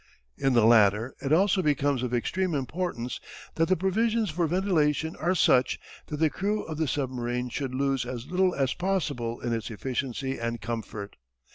In the latter it also becomes of extreme importance that the provisions for ventilation are such that the crew of the submarine should lose as little as possible in its efficiency and comfort.